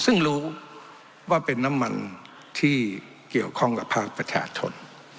ซึ่งรู้ว่าเป็นน้ำมันที่เกี่ยวข้องกับภาคประชาชน